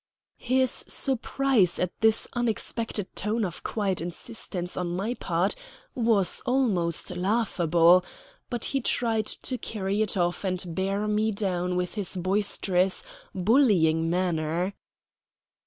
His surprise at this unexpected tone of quiet insistence on my part was almost laughable; but he tried to carry it off and bear me down with his boisterous, bullying manner.